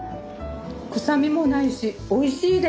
臭みもないしおいしいです！